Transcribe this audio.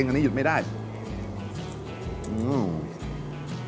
เอ๊ะบะหมี่ผัดนี่มันถ้าเป็นเมนูหรอ